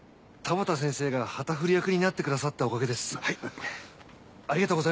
田端先生が旗振り役になってくださったおかげです。